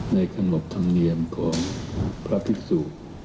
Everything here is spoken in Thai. ขนบธรรมเนียมของพระภิกษุ